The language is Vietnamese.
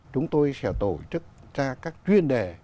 chúng tôi sẽ tổ chức ra các chuyên đề